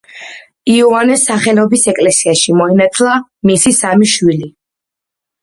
იოანეს სახელობის ეკლესიაში მოინათლა მისი სამი შვილი.